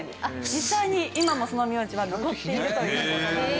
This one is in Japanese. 実際に今もその名字は残っているという事なんです。